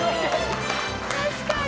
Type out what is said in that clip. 確かに。